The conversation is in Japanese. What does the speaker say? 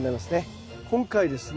今回ですね